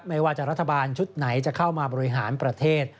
ไม่ว่าจะรัฐบาลชุดไหนจะเข้ามาบริหารประเทศ